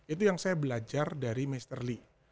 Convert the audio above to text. itu yang saya belajar dari mr lee